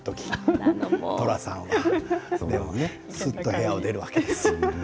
寅さんすっと部屋を出るわけですよ。